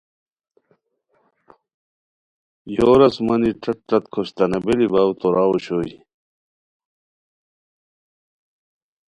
یور آسمانی ݯت ݯت کھوشتنابیلی باؤ توراؤ اوشوئے